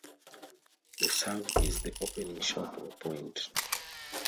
The serve is the opening shot of a point.